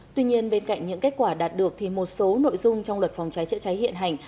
tuy nhiên bên cạnh những kết quả đạt được thì một số nội dung trong luật phòng cháy chữa cháy hiện hành